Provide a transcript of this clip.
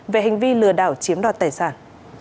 về hành vi lừa đảo chiếm đoạt tài sản